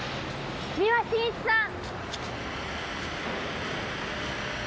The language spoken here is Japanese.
三輪信一さん！